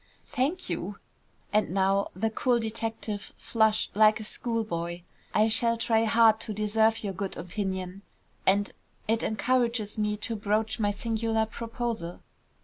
"Thank you." And now the cool detective flushed like a schoolboy. "I shall try hard to deserve your good opinion, and it encourages me to broach my singular proposal.